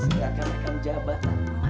silahkan naikkan jabatan mak